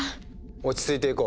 落ち着いていこう。